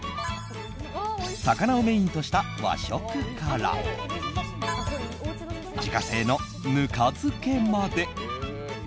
魚をメインとした和食から自家製のぬか漬けまで。